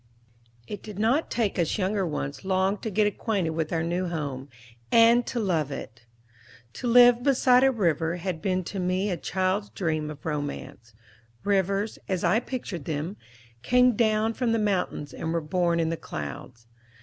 IT did not take us younger ones long to get acquainted with our new home, and to love it. To live beside a river had been to me a child's dream of romance. Rivers, as I pictured them, came down from the mountains, and were born in the clouds.